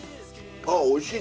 あおいしい！